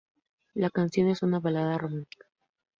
La canción es una balada romántica.